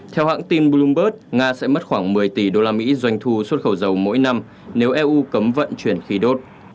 theo hãng tin bloomberg nga sẽ mất khoảng một mươi tỷ đô la mỹ doanh thu xuất khẩu dầu mỗi năm nếu eu cấm vận chuyển khí đốt